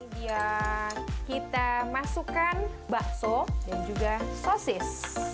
dia kita masukkan bakso dan juga sosis